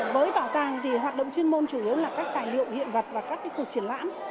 với bảo tàng thì hoạt động chuyên môn chủ yếu là các tài liệu hiện vật và các cuộc triển lãm